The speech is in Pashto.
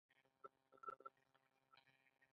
په وطن کې یو موږ ډېر ورته خوشحاله